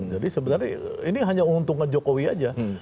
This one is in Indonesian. jadi sebenarnya ini hanya untungan jokowi aja